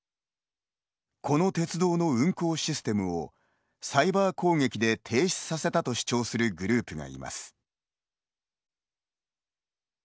この鉄道の運行システムをサイバー攻撃で停止させたと主張するグループがいます。